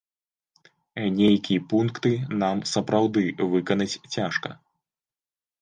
Нейкі пункты нам сапраўды выканаць цяжка.